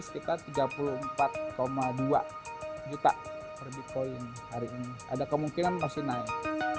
sekitar tiga puluh empat dua juta per bitcoin hari ini ada kemungkinan masih naik